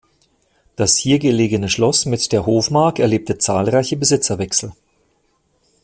Das hier gelegene Schloss mit der Hofmark erlebte zahlreiche Besitzerwechsel.